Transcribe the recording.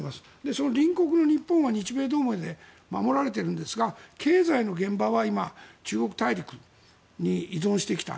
その隣国の日本は日米同盟で守られているんですが経済の現場は今、中国大陸に依存してきた。